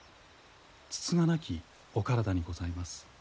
つつがなきお体にございます。